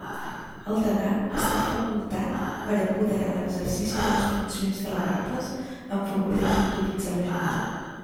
El degà està facultat per a apoderar l'exercici de les funcions delegables en favor de qui autoritze la Junta.